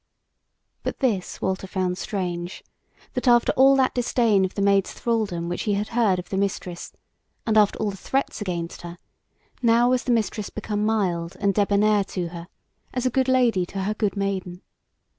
But this Walter found strange, that after all that disdain of the Maid's thralldom which he had heard of the Mistress, and after all the threats against her, now was the Mistress become mild and debonaire to her, as a good lady to her good maiden.